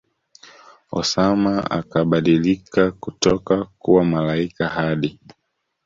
Osama akabadilika kutoka kuwa malaika Hadi